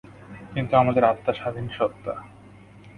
কিন্তু আমাদের আত্মা স্বাধীন সত্তা।